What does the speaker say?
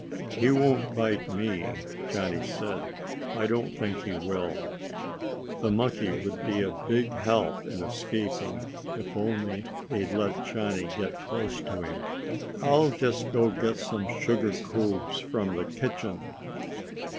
"He won't bite me," Johnny said. "I don't think he will." The monkey would be a big help in escaping, if only they'd let Johnny get close to him. "I'll just go get some sugar cubes from the kitchen."